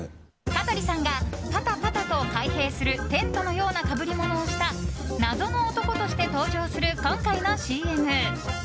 香取さんがパタパタと開閉するテントのようなかぶりものを着た謎の男として登場する今回のＣＭ。